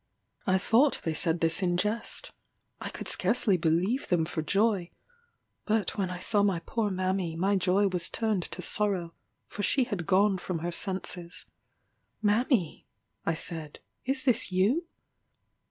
I thought they said this in jest I could scarcely believe them for joy; but when I saw my poor mammy my joy was turned to sorrow, for she had gone from her senses. "Mammy," I said, "is this you?"